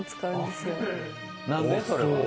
何で？